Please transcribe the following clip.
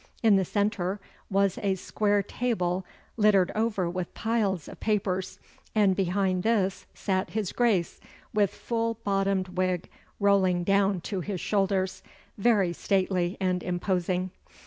In the centre was a square table littered over with piles of papers, and behind this sat his Grace with full bottomed wig rolling down to his shoulders, very stately and imposing.